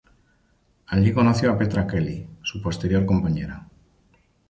Allí conoció a Petra Kelly, su posterior compañera.